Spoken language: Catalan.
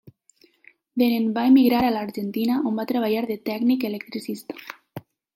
De nen va emigrar a l'Argentina, on va treballar de tècnic electricista.